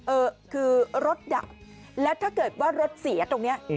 เออคือรถดับแล้วถ้าเกิดว่ารถเสียตรงนี้